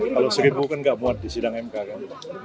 kalau seribu kan nggak muat di sidang mk kan